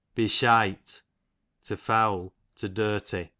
Besliite, to foul, to dirty.